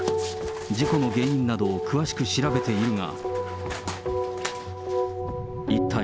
事故の原因などを詳しく調べているが。